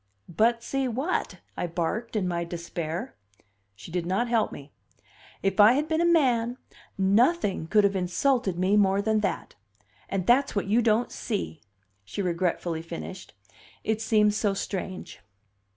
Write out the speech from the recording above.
"But see what?" I barked in my despair. She did not help me. "If I had been a man, nothing could have insulted me more than that. And that's what you don't see," she regretfully finished. "It seems so strange."